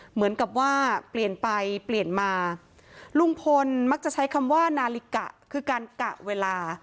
เหมือนกับว่าเปลี่ยนไปเปลี่ยนมาลุงพลมักจะใช้คำว่านาฬิกะคือการกะเวลา